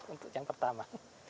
untuk yang pertama